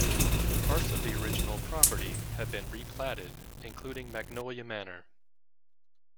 Parts of the original property have been replatted, including Magnolia Manor.